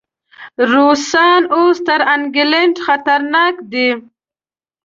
روسان اوس تر انګلینډ خطرناک دي.